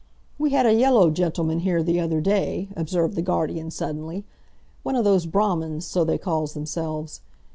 "We had a yellow gentleman here the other day," observed the guardian suddenly; "one of those Brahmins—so they calls themselves.